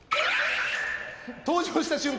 登場した瞬間